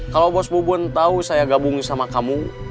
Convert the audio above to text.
kalau bos bungun tahu saya gabung sama kamu